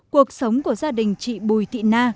cuộc sống của gia đình chị bùi thị na